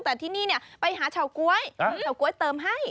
แต่ที่นี่ไปหาเฉาก๊วยเฉาก๊วยเติมให้